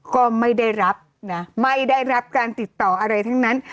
ก็ไม่ได้รับนะไม่ได้รับการติดต่ออะไรทั้งนั้น